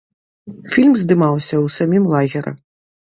Фільм здымаўся ў самім лагеры.